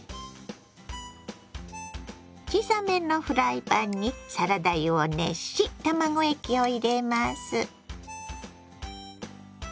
小さめのフライパンにサラダ油を熱し卵液を入れます。